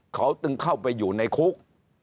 เขาตึงเข้าไปอยู่ในคุก